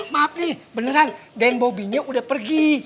maaf nih beneran dan bopinya udah pergi